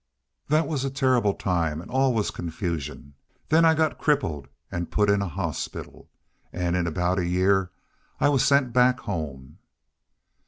That was a terrible time an' all was confusion. Then I got crippled an' put in a hospital. An' in aboot a year I was sent back home."